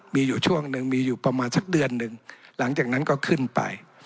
มีอยู่ช่วงหนึ่งมีอยู่ประมาณสักเดือนหนึ่งหลังจากนั้นก็ขึ้นไป